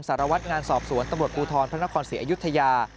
สารวัตรงานสอบสวนตำรวจภูทรพระนครศรีอยุธยา